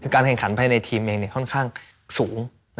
การแข่งขันภายในทีมเองค่อนข้างสูง